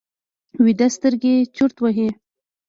ویده سترګې چورت وهي